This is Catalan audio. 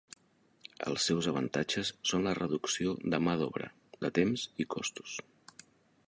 Els seus avantatges són la reducció de mà d'obra, de temps i costos.